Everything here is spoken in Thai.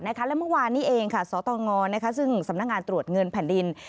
และเมื่อวานนี้เองสตงซึ่งสำนักงานตรวจเงินแผ่นดิน